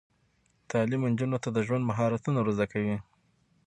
تعلیم نجونو ته د ژوند مهارتونه ور زده کوي.